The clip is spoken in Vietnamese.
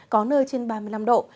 có nơi trên ba mươi năm độ